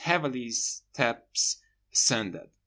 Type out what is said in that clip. Heavily steps ascended.